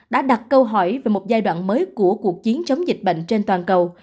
đã đặt câu hỏi về một giai đoạn mới của cuộc chiến chống dịch bệnh trên toàn cầu